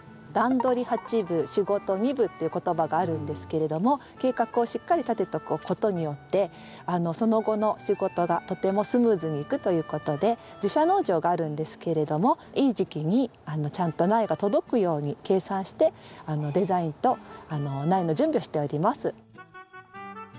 「段取り八分仕事二分」っていう言葉があるんですけれども計画をしっかり立てておくことによってその後の仕事がとてもスムーズにいくということで自社農場があるんですけれどもいい時期にちゃんと苗が届くように計算してデザインと苗の準備をしております。